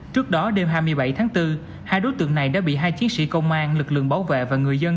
trước đó đêm hai mươi bảy tháng bốn hai đối tượng này đã bị hai chiến sĩ công an lực lượng bảo vệ và người dân